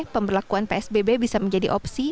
pemberlakuan psbb bisa menjadi opsi